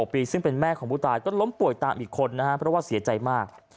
ปีซึ่งเป็นแม่ของผู้ตายก็ล้มป่วยตามอีกคนนะครับเพราะว่าเสียใจมาก